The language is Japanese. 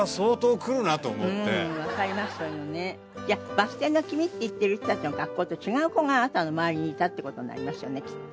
バス停の君って言ってる人たちの学校と違う子があなたの周りにいたって事になりますよねきっと。